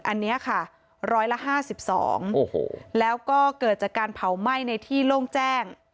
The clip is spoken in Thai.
อันเนี้ยค่ะร้อยละห้าสิบสองโอ้โหแล้วก็เกิดจากการเผาไหม้ในที่โล่งแจ้ง